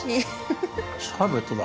シャーベットだ。